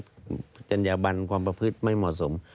การวิทยาบันความประพฤษไม่เหมาะสม